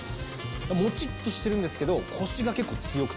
もちっとしてるんですけどコシが結構強くて。